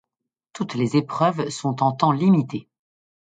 Toutes les épreuves sont en temps limité.